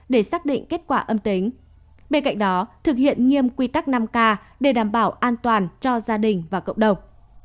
để xác định kết quả âm tính bên cạnh đó thực hiện nghiêm quy tắc năm k để đảm bảo an toàn cho gia đình và cộng đồng